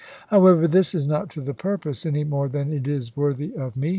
However, this is not to the purpose, any more than it is worthy of me.